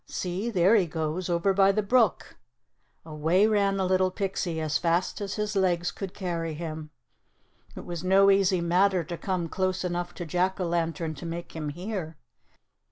See, there he goes over by the brook." Away ran the little pixie as fast as his legs could carry him. It was no easy matter to come close enough to Jack o' Lantern to make him hear.